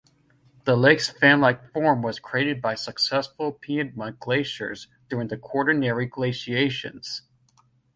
The lake's fan-like form was created by successive piedmont glaciers during the Quaternary glaciations.